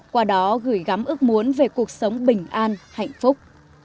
qua đó gửi gắm ước muốn về cuộc sống bình an hạnh phúc